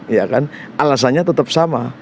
ya kan alasannya tetap sama